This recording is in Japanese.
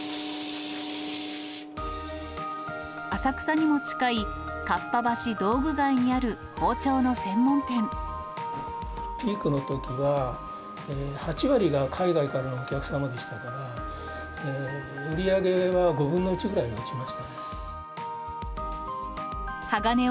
浅草にも近い合羽橋道具街にあるピークのときは、８割が海外からのお客様でしたから、売り上げは５分の１ぐらいに落ちましたね。